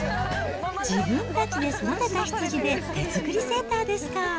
自分たちで育てた羊で手作りセーターですか。